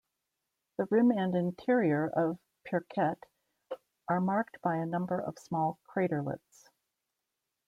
The rim and interior of Pirquet are marked by a number of small craterlets.